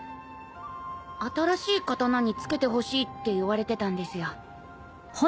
新しい刀につけてほしいって言われてたんですよ。